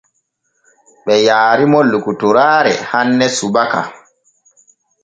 Ɓe yaariimo lokotoraare hanne subaka.